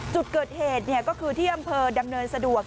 จุดเกิดเหตุก็คือที่อำเภอดำเนินสะดวก